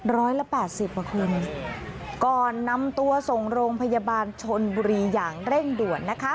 ร้อยละแปดสิบอ่ะคุณก่อนนำตัวส่งโรงพยาบาลชนบุรีอย่างเร่งด่วนนะคะ